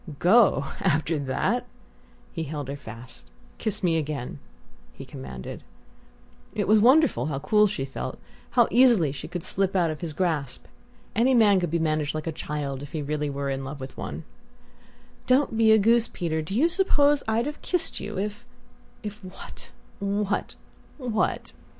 "Go after that?" He held her fast. "Kiss me again," he commanded. It was wonderful how cool she felt how easily she could slip out of his grasp! Any man could be managed like a child if he were really in love with one.... "Don't be a goose, Peter; do you suppose I'd have kissed you if " "If what what what?"